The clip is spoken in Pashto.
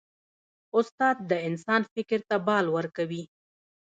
استاد د انسان فکر ته بال ورکوي.